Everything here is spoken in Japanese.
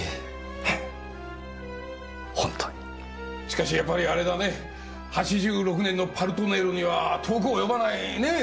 しかしやっぱりあれだね８６年の「パルトネール」には遠く及ばないねぇ